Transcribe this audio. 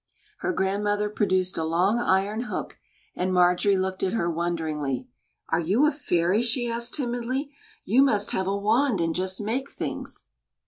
Her grandmother produced a long iron hook, and Marjorie looked at her wonderingly. "Are you a fairy?" she asked, timidly. "You must have a wand and just make things."